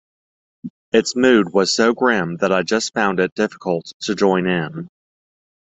Its mood was so grim that I just found it difficult to join in.